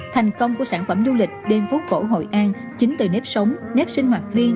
thành công của sản phẩm du lịch đêm phố cổ hội an chính từ nếp sống nếp sinh hoạt riêng